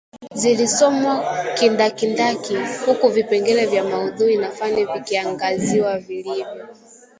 zilisomwa kindakindaki huku vipengee vya maudhui na fani vikiangaziwa vilivyo